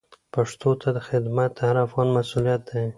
پښتو ته خدمت د هر افغان مسوولیت دی.